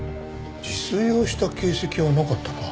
自炊をした形跡はなかったな。